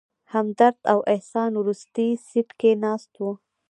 همدرد او احسان وروستي سیټ کې ناست ول.